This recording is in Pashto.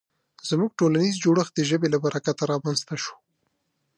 زموږ ټولنیز جوړښت د ژبې له برکته رامنځ ته شو.